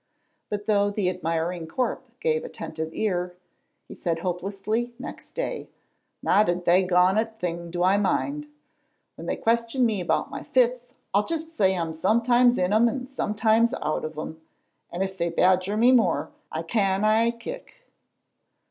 But though the admiring Corp gave attentive ear, he said hopelessly next day, "Not a dagont thing do I mind. When they question me about my fits I'll just say I'm sometimes in them and sometimes out o' them, and if they badger me more, I can aye kick."